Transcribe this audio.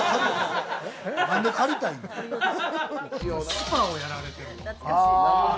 スパをやられてるとか？